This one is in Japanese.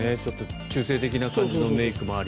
中性的な感じのメイクもあり。